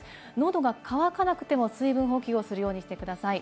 喉が渇かなくても水分補給をするようにしてください。